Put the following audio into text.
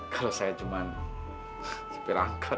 kalau saya cuma sempir angkat